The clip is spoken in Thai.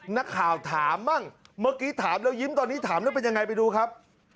นักข่าวถามบ้างเมื่อกี้ถามแล้วยิ้มตอนนี้ถามแล้วเป็นยังไงไปดูครับ